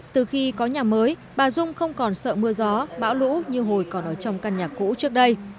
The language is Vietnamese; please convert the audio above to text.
từ khi có nhà mới bà dung không còn sợ mưa gió bão lũ như hồi còn ở trong căn nhà cũ trước đây